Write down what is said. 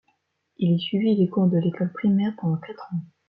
Il y suivit les cours de l'école primaire pendant quatre ans.